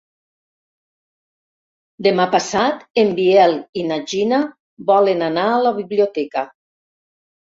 Demà passat en Biel i na Gina volen anar a la biblioteca.